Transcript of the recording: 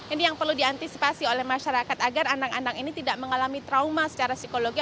ini yang perlu diantisipasi oleh masyarakat agar anak anak ini tidak mengalami trauma secara psikologi